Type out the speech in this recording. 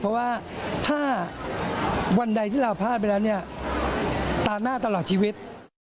เพราะว่าถ้าวันใดที่เราพลาดไปแล้วเนี่ยตาหน้าตลอดชีวิต